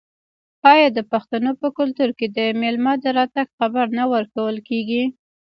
آیا د پښتنو په کلتور کې د میلمه د راتګ خبر نه ورکول کیږي؟